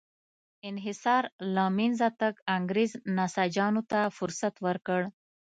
انحصار له منځه تګ انګرېز نساجانو ته فرصت ورکړ.